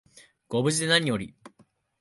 ご無事でなにより